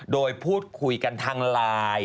โดยพูดคุยกันทางไลน์